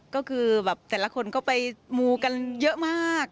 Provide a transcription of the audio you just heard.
ก็คือแบบแต่ละคนก็ไปมูกันเยอะมาก